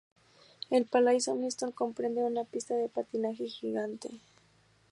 El Palais Omnisports comprende una pista de patinaje gigante.